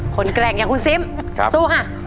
แกร่งอย่างคุณซิมสู้ค่ะ